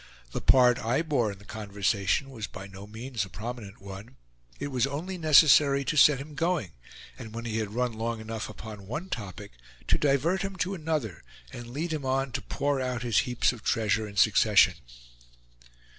The part I bore in the conversation was by no means a prominent one; it was only necessary to set him going, and when he had run long enough upon one topic, to divert him to another and lead him on to pour out his heaps of treasure in succession.